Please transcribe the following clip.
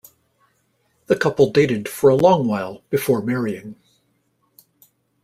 The couple dated for a long while before marrying.